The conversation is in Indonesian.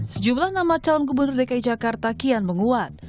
sejumlah nama calon gubernur dki jakarta kian menguat